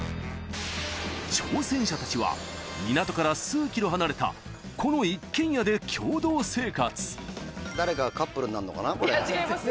挑戦者たちは港から数ｋｍ離れたこの一軒家で共同生活違います